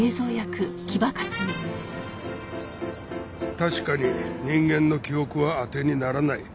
確かに人間の記憶は当てにならない